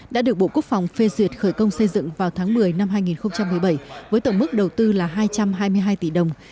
đã được bộ quốc phòng phê duyệt khởi công xây dựng vào tháng một mươi năm hai nghìn một mươi bảy với tổng mức đầu tư là hai trăm hai mươi hai tỷ đồng